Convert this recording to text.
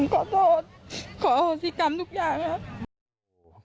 ขอโทษขอโทษศิกรรมทุกอย่าง